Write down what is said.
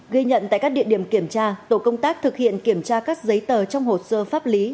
ghi nhận tại các địa điểm kiểm tra tổ công tác thực hiện kiểm tra các giấy tờ trong hồ sơ pháp lý